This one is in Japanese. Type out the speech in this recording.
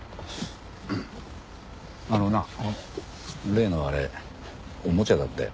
あのな例のあれおもちゃだったよ。